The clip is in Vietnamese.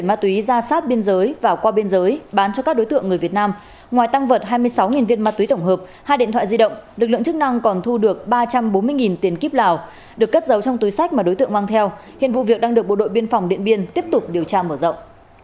ngoài tăng vật hai mươi sáu viên mát túy tổng hợp hai điện thoại di động lực lượng chức năng còn thu được ba trăm bốn mươi tiền kiếp lào được cất giấu trong túi sách mà đối tượng mang theo hiện vụ việc đang được bộ đội biên phòng điện biên tiếp tục điều tra mở rộng